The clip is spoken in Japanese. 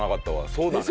そうだね。